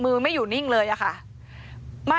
มือไม่อยู่นิ่งเลยอะค่ะ